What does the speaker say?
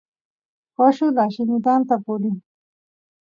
coshul allimitanta purin